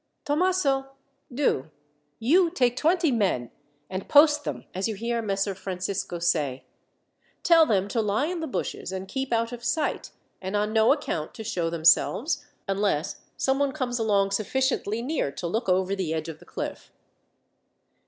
"Thomaso, do you take twenty men and post them as you hear Messer Francisco say. Tell them to lie in the bushes and keep out of sight, and on no account to show themselves, unless someone comes along sufficiently near to look over the edge of the cliff."